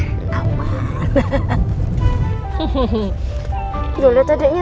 iya tuh liat adiknya